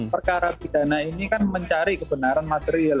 perkara pidana ini kan mencari kebenaran material